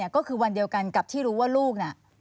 ก็คือวันเดียวกันกับที่รู้ว่าลูกน่ะ